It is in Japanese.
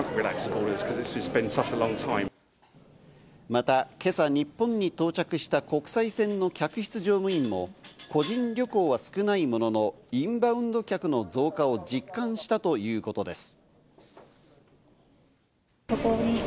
また今朝、日本に到着した国際線の客室乗務員も個人旅行は少ないものの、インバウンド客の増加を実感したということです。